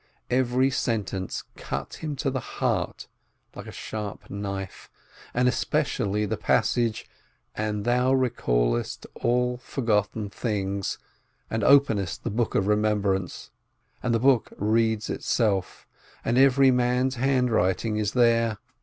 Every sentence cut him to the heart, like a sharp knife, and especially the passage : "And Thou recallest all forgotten things, and openest the Book of Eemembrance, and the book reads itself, and every man's handwriting is there